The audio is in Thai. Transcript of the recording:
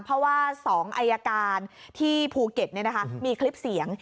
เพราะว่า๒อายการที่ภูเก็ตมีคลิปเสียง